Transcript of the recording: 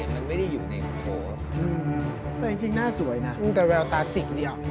มีแต่แววตาจิกเดียว